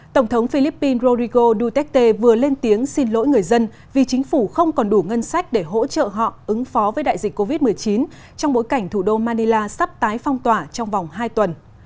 tổng thống philippines rodrigo duterte vừa lên tiếng xin lỗi người dân vì chính phủ không còn đủ ngân sách để hỗ trợ họ ứng phó với đại dịch covid một mươi chín trong bối cảnh thủ đô manila sắp tái phong tỏa trong vòng hai tuần